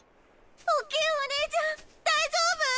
おっきいおねえちゃん大丈夫？